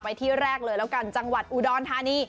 ไปที่แรกเลยแล้วกันจังหวัดอูดอนทานิ